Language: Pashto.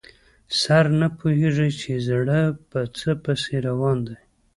سر نه پوهېږي چې زړه په څه پسې روان دی.